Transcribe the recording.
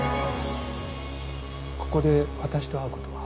ここで私と会うことは？